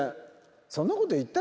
そんなこと言った？